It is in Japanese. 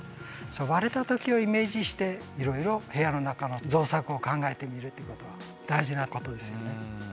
割れた時をイメージしていろいろ部屋の中の造作を考えてみるっていうことが大事なことですよね。